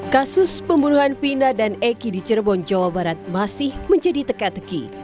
kasus pembunuhan vina dan eki di cirebon jawa barat masih menjadi teka teki